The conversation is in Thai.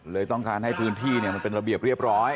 ต้องการให้พื้นที่มันเป็นระเบียบเรียบร้อย